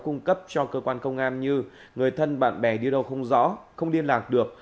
cung cấp cho cơ quan công an như người thân bạn bè đi đâu không rõ không liên lạc được